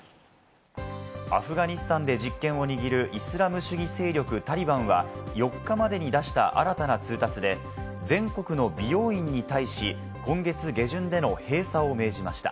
アフガニスタンで実権を握るイスラム主義勢力・タリバンは４日までに出した新たな通達で全国の美容院に対し、今月下旬での閉鎖を命じました。